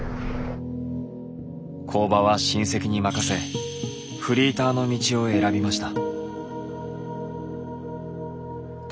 工場は親戚に任せフリーターの道を選びました。